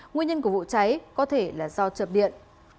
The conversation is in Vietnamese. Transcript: nguyên nhân của vụ cháy có thể là do chập điện